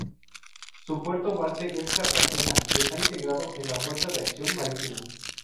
Su puerto base es Cartagena, y está integrado en la fuerza de acción marítima.